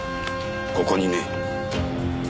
ここにね。